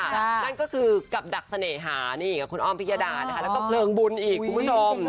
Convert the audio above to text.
นั่นก็คือกับดักเสน่หาคุณอ้อมพิยาดาแล้วก็เผลิงบุญอีกคุณผู้ชม